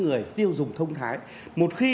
người tiêu dùng thông thái một khi